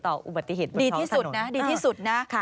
ต่ออุบัติเหตุบนท้องสนุน